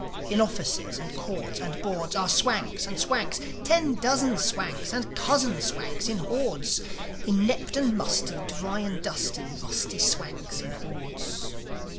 In offices and courts and boards Are Swanks, and Swanks, ten dozen Swanks, And cousin Swanks in hordes Inept and musty, dry and dusty, Rusty Swanks in hordes.